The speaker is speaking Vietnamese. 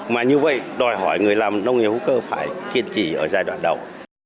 mà như vậy đòi hỏi người làm nông nghiệp hữu cơ phải kiên trì ở giai đoạn đầu